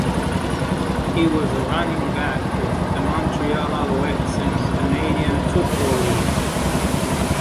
He was a running back with the Montreal Alouettes in the Canadian Football League.